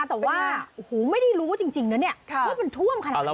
แต่ว่าไม่ได้รู้จริงนะเนี่ยเพราะมันท่วมขนาดนี้